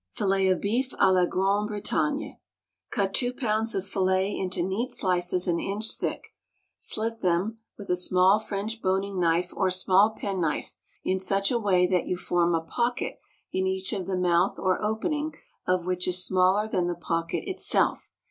[88 *] Fillets of Beef à la Grande Bretagne. Cut two pounds of fillet into neat slices an inch thick; slit them (with a small French boning knife or small penknife) in such a way that you form a pocket in each the mouth or opening of which is smaller than the pocket itself.